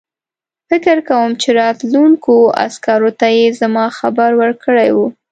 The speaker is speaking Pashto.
فکر کوم چې راتلونکو عسکرو ته یې زما خبر ورکړی وو.